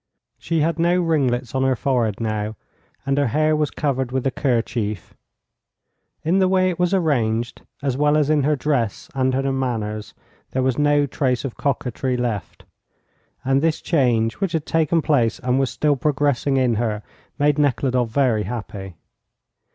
She had no ringlets on her forehead now, and her hair was covered with the kerchief; in the way it was arranged, as well as in her dress and her manners, there was no trace of coquetry left. And this change, which had taken place and was still progressing in her, made Nekhludoff very happy.